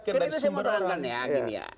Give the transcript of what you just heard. karena itu saya mau terangkan ya gini ya